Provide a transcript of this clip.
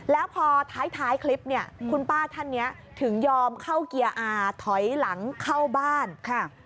แล้วพอท้ายคลิปเนี่ยคุณป้าท่านเนี้ยถึงยอมเข้าเกียร์อาถอยหลังเข้าบ้านค่ะ